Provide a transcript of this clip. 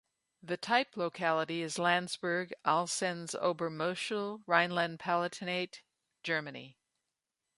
The type locality is Landsberg, Alsenz-Obermoschel, Rhineland-Palatinate, Germany.